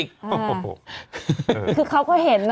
คือเขาก็เห็นนะ